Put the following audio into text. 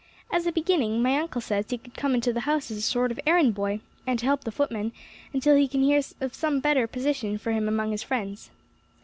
As a beginning, my uncle says he could come into the house as a sort of errand boy, and to help the footman, until he can hear of some better position for him among his friends."